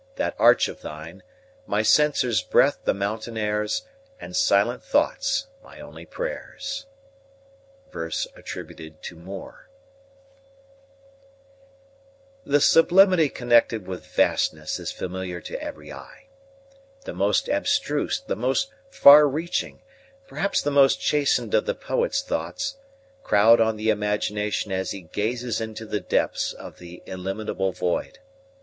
that arch of thine; My censer's breath the mountain airs, And silent thoughts my only prayers. MOORE The sublimity connected with vastness is familiar to every eye. The most abstruse, the most far reaching, perhaps the most chastened of the poet's thoughts, crowd on the imagination as he gazes into the depths of the illimitable void.